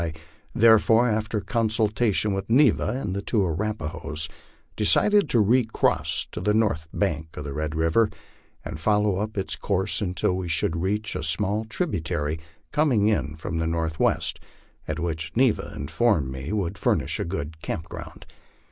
I therefore, after consultation with Neva and the two Arapahoes, decided to recross to the north bank of Red river, and follow up its course until we should reach a small tributary coming in from the northwest, and which Neva informed me would furnish a good camp ground.